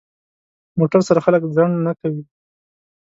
موټر سره خلک ځنډ نه کوي.